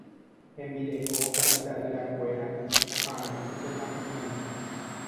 Hembireko ha itaʼyrakuéra ohaʼãróntema imano.